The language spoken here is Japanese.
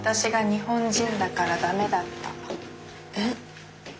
えっ。